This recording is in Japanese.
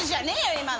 今の。